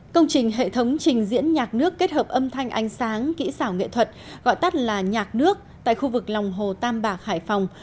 công trình hệ thống trình diễn nhạc nước kết hợp âm thanh ánh sáng kỹ xảo nghệ thuật gọi tắt là nhạc nước tại khu vực lòng hồ tam bạc hải phòng